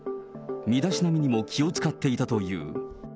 身だしなみにも気を遣っていたという。